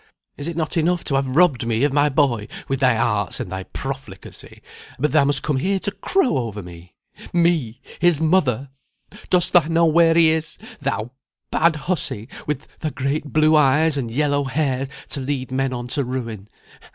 Is it not enough to have robbed me of my boy with thy arts and thy profligacy, but thou must come here to crow over me me his mother? Dost thou know where he is, thou bad hussy, with thy great blue eyes and yellow hair, to lead men on to ruin?